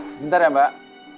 sebentar ya mbak